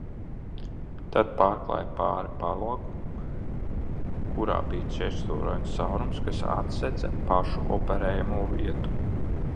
Tad pārklāja pāri palagu, kurā bija četrstūrains caurums, kas atsedza pašu operējamo vietu.